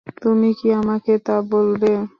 তুমি কি আমাকে তা বলবে?